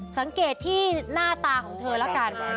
สังเกตที่หน้าตาของเธอแล้วกัน